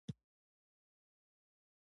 _ها ورته وګوره! کراره پرته ده.